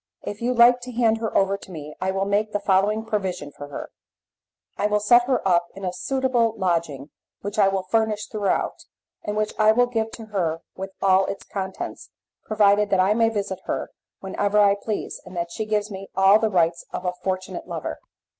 If you like to hand her over to me I will make the following provision for her: I will set her up in a suitable lodging which I will furnish throughout, and which I will give to her with all its contents, provided that I may visit her whenever I please, and that she gives me all the rights of a fortunate lover.